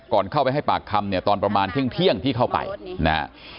ก่อนเข้าไปให้ปากคำเนี่ยตอนประมาณเที่ยงที่เข้าไปนะฮะ